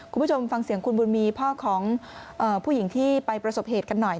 คุณผู้ชมฟังเสียงคุณบุญมีพ่อของผู้หญิงที่ไปประสบเหตุกันหน่อย